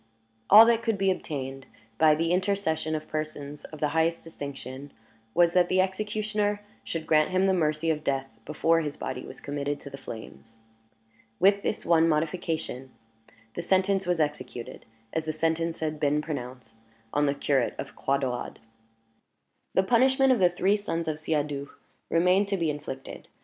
All that could be obtained, by the intercession of persons of the highest distinction, was, that the executioner should grant him the mercy of death before his body was committed to the flames. With this one modification, the sentence was executed, as the sentence had been pronounced, on the curate of Croix Daurade. The punishment of the three sons of Siadoux remained to be inflicted.